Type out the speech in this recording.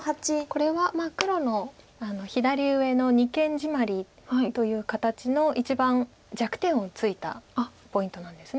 これは黒の左上の二間ジマリという形の一番弱点をついたポイントなんです。